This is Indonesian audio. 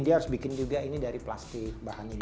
dia harus bikin juga ini dari plastik bahan ini